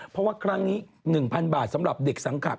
เพราะว่าครั้งนี้๑๐๐๐บาทสำหรับเด็กสังขัก